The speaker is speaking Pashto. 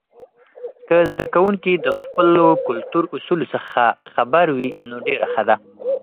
که زده کوونکي د خپلو کلتور اصولو څخه خبر وي، نو ډیر ښه دی.